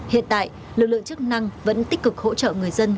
hiện tại lực lượng chức năng vẫn tích cực hỗ trợ người dân